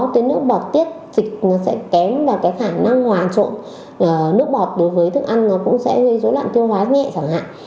cái nước bọt tiết dịch nó sẽ kém và cái khả năng hòa trộn nước bọt đối với thức ăn nó cũng sẽ gây dối loạn tiêu hóa nhẹ chẳng hạn